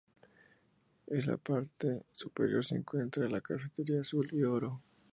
En la Parte superior se encuentra la Cafetería Azul y Oro.